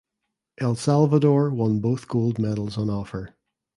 El Salvador won both gold medals on offer.